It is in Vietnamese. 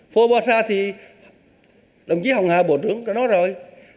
phong mô sa thì đồng chí hồng hà bộ trưởng đã nói rồi